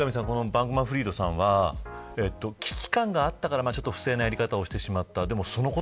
三上さん、このバンクマンフリードさんは危機感があったから不正なやり方をしてしまった。